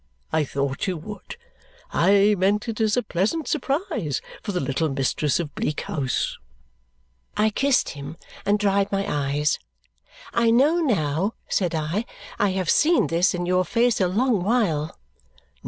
I thought you would. I meant it as a pleasant surprise for the little mistress of Bleak House." I kissed him and dried my eyes. "I know now!" said I. "I have seen this in your face a long while."